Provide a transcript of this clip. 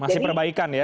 masih perbaikan ya